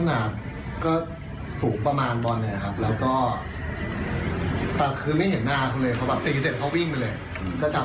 น่าจะตามบอลมาตั้งค่าแล้วครับ